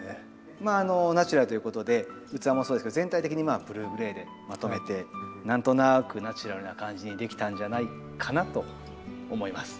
まあナチュラルということで器もそうですけど全体的にブルーグレイでまとめて何となくナチュラルな感じにできたんじゃないかなと思います。